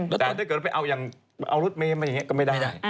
แต่ถ้าเกิดไปเอารถเมย์มาอย่างนี้ก็ไม่ได้ได้